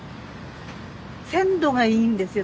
・鮮度がいいんですよ。